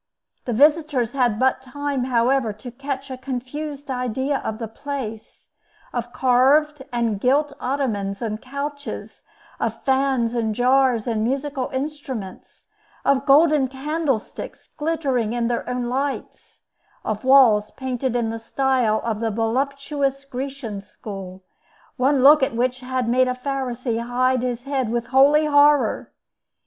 The visitors had but time, however, to catch a confused idea of the place—of carved and gilt ottomans and couches; of fans and jars and musical instruments; of golden candlesticks glittering in their own lights; of walls painted in the style of the voluptuous Grecian school, one look at which had made a Pharisee hide his head with holy horror.